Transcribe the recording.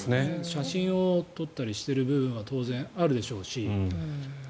写真を撮ったりしたりしてる部分はあるでしょうし。